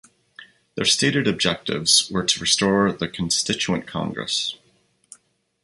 Their stated objectives were to restore the Constituent Congress.